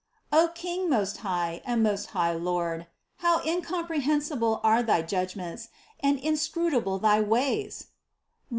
26. O King, most high and most wise Lord: How incomprehensible are thy judgments, and inscrutable thy ways (Rom.